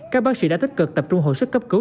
các bác sĩ đã tích cực tập trung hồi sức cấp cứu